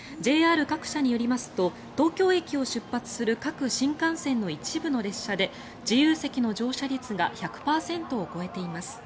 ＪＲ各社によりますと東京駅を出発する各新幹線の一部の列車で自由席の乗車率が１００％を超えています。